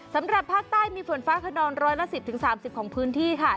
สำหรับภาคใต้มีฝนฟ้าขนองร้อยละ๑๐๓๐ของพื้นที่ค่ะ